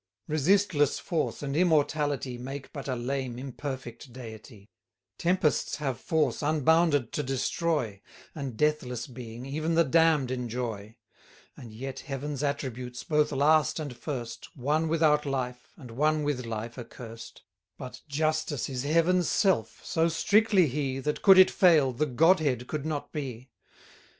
Resistless force and immortality 350 Make but a lame, imperfect, deity: Tempests have force unbounded to destroy, And deathless being, even the damn'd enjoy; And yet Heaven's attributes, both last and first, One without life, and one with life accurst: But justice is Heaven's self, so strictly he, That could it fail, the Godhead could not be.